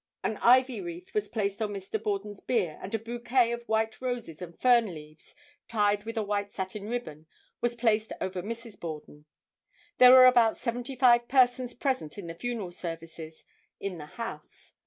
An ivy wreath was placed on Mr. Borden's bier and a bouquet of white roses and fern leaves, tied with a white satin ribbon, was placed over Mrs. Borden. There were about 75 persons present at the funeral services in the house.